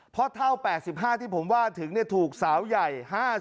เพราะเท่า๘๕ที่ผมว่าถึงถูกสาวใหญ่๕๐